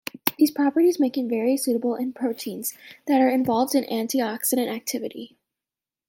These properties make it very suitable in proteins that are involved in antioxidant activity.